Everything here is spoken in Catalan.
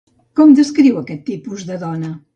Com descriu a aquest tipus de dona?